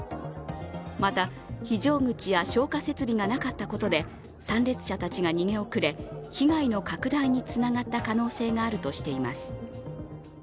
また、非常口や消火設備がなかったことで参列者たちが逃げ遅れ、被害の拡大につながった可能性があるとしています。